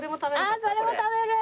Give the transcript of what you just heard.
ああそれも食べる！